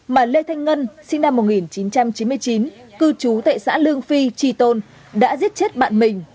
mà lê thanh ngân sinh năm một nghìn chín trăm chín mươi chín cư trú tại xã lương phi tri tôn đã giết chết bạn mình